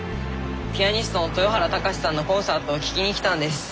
ピアニストの豊原貴史さんのコンサートを聴きに来たんです。